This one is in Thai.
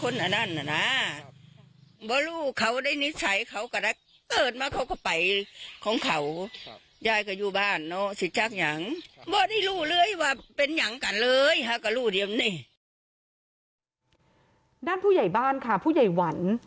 ด้านผู้ใหญ่บ้านค่ะผู้ใหญ่หวัน